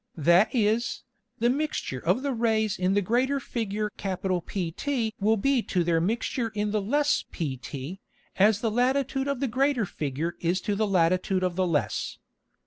That is, the Mixture of the Rays in the greater Figure PT will be to their Mixture in the less pt, as the Latitude of the greater Figure is to the Latitude of the less.